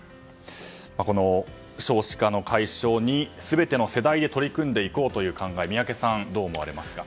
この少子化の解消に全ての世代で取り組んでいこうという考えは宮家さんはどう考えますか？